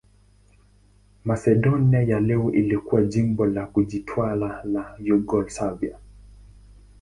Masedonia ya leo ilikuwa jimbo la kujitawala la Yugoslavia.